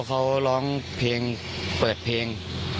เขาร้องเพลงเปิดเพลง